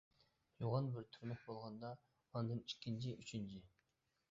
يوغان بىر تۈرمەك بولغاندا ئاندىن ئىككىنچى، ئۈچىنچى.